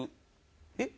えっ？